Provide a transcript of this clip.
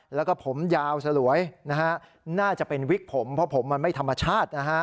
แล้วก็ผมยาวสลวยนะฮะน่าจะเป็นวิกผมเพราะผมมันไม่ธรรมชาตินะฮะ